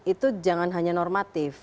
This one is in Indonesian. itu jangan hanya normatif